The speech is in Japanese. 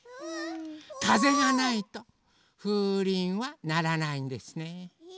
かぜがないとふうりんはならないんですね。